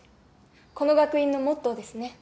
この学院のモットーですね。